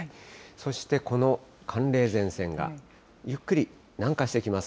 そしてこの寒冷前線がゆっくり南下してきます。